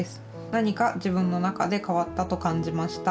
何か自分の中で変わったと感じました。